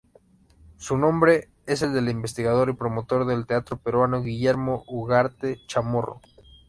Su nombre es el del investigador y promotor del teatro peruano Guillermo Ugarte Chamorro.